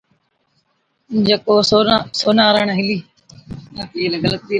جڪو سونارڻ هِلِي۔